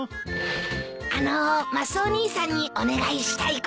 あのマスオ兄さんにお願いしたいことが。